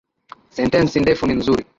Sentensi ndefu ni nzuri